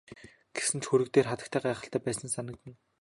Гэсэн ч хөрөг дээрх хатагтай гайхалтай байсан санагдана.